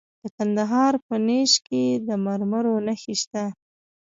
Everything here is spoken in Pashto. د کندهار په نیش کې د مرمرو نښې شته.